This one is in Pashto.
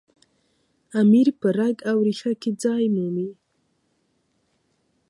امیر په رګ او ریښه کې ځای مومي.